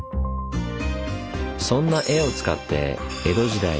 そんな江を使って江戸時代